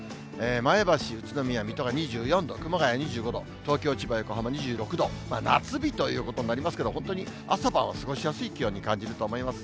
前橋、宇都宮、水戸が２４度、熊谷２５度、東京、千葉、横浜２６度、夏日ということになりますけど、本当に朝晩は過ごしやすい気温に感じると思います。